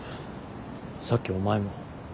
さっきお前も。